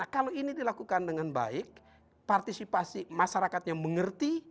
kalau ini dilakukan dengan baik partisipasi masyarakat yang mengerti